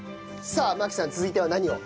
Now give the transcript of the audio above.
さあ麻紀さん続いては何を？